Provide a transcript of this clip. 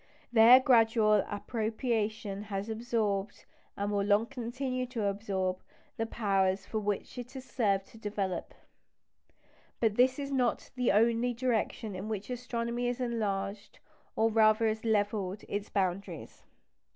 Their gradual appropriation has absorbed, and will long continue to absorb, the powers which it has served to develop. But this is not the only direction in which astronomy has enlarged, or rather has levelled, its boundaries.